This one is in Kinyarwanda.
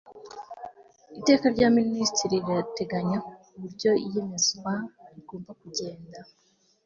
iteka rya minisitiri riteganya uburyo iyemezwa rigomba kugenda